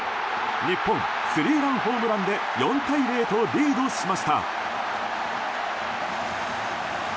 日本、スリーランホームランで４対０とリードしました。